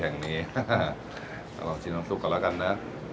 แห่งนี้เอาลองชิมทั้งสุกก่อนแล้วกันนะ